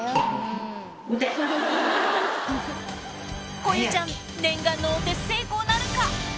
こゆちゃん念願のお手成功なるか？